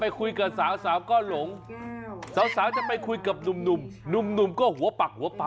คุยกับสาวก็หลงสาวจะไปคุยกับหนุ่มหนุ่มก็หัวปักหัวปาก